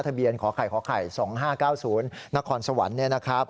ขอไข่ขอไข่๒๕๙๐นครสวรรค์เนี่ยนะครับ